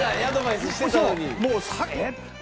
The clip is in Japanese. もうえっ何。